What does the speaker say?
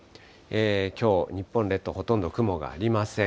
きょう、日本列島、ほとんど雲がありません。